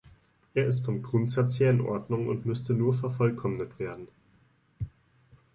Er ist vom Grundsatz her in Ordnung und müsste nur vervollkommnet werden.